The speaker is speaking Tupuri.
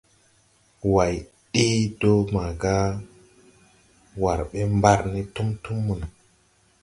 Way ɗee do maaga war ɓɛ mbar ne tum tum mono.